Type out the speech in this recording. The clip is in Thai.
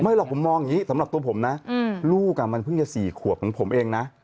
หรอกผมมองอย่างนี้สำหรับตัวผมนะลูกมันเพิ่งจะ๔ขวบของผมเองนะ